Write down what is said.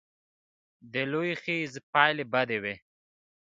د لوی خیز پایلې بدې وې.